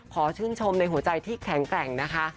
ขอชื่นชมในหัวใจที่แข็งแกร่งนะคะ